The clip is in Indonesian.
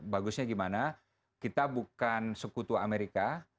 bagusnya gimana kita bukan sekutu amerika